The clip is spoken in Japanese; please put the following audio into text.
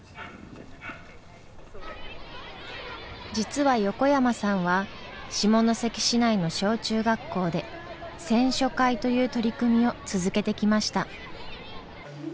実は横山さんは下関市内の小中学校で選書会という取り組みを続けてきました。